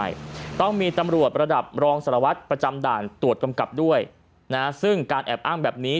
ใช่ต้องมีตำรวจระดับรองสารวัตรประจำด่านตรวจกำกับด้วยนะซึ่งการแอบอ้างแบบนี้